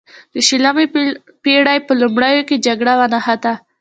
د شلمې پیړۍ په لومړیو کې جګړه ونښته.